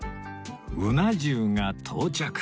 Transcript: うな重が到着